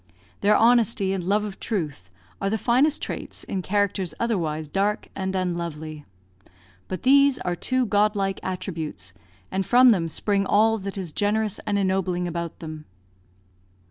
Their honesty and love of truth are the finest traits in characters otherwise dark and unlovely. But these are two God like attributes, and from them spring all that is generous and ennobling about them.